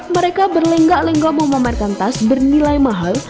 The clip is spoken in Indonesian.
mereka berlenggak lenggak memamerkan tas bernilai mahal